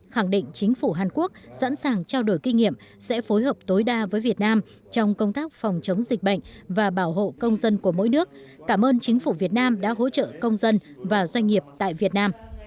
khẳng định chính phủ hàn quốc sẵn sàng trao đổi kinh nghiệm sẽ phối hợp tối đa với việt nam trong công tác phòng chống dịch bệnh và bảo hộ công dân của mỗi nước cảm ơn chính phủ việt nam đã hỗ trợ công dân và doanh nghiệp tại việt nam